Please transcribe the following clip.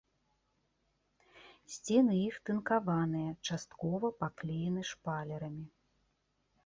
Сцены іх тынкаваныя, часткова паклеены шпалерамі.